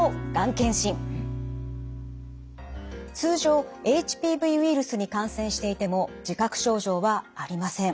通常ＨＰＶウイルスに感染していても自覚症状はありません。